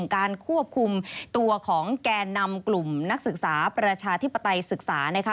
การควบคุมตัวของแก่นำกลุ่มนักศึกษาประชาธิปไตยศึกษานะคะ